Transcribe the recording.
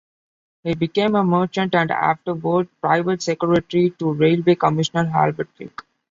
He became a merchant, and afterward private secretary to Railway Commissioner Albert Fink.